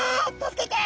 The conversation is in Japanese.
助けて！